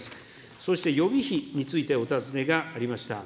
そして予備費についてお尋ねがありました。